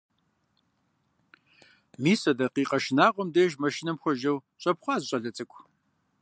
Мис а дакъикъэ шынагъуэм деж машинэм хуэжэу щӀэпхъуащ зы щӀалэ цӀыкӀу.